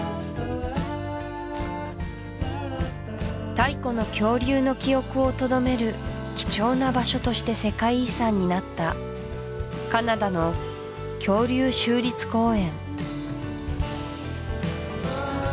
太古の恐竜の記憶をとどめる貴重な場所として世界遺産になったカナダの恐竜州立公園